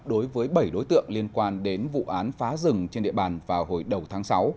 đối với bảy đối tượng liên quan đến vụ án phá rừng trên địa bàn vào hồi đầu tháng sáu